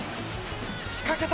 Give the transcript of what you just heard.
仕掛けた。